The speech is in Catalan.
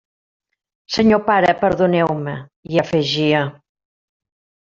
«Senyor pare, perdoneu-me», hi afegia.